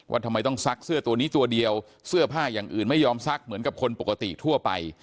ทำไมต้องซักเสื้อตัวนี้ตัวเดียวเสื้อผ้าอย่างอื่นไม่ยอมซักเหมือนกับคนปกติทั่วไป